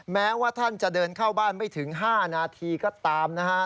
แม้ว่าท่านจะเดินเข้าบ้านไม่ถึง๕นาทีก็ตามนะฮะ